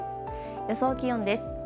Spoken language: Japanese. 予想気温です。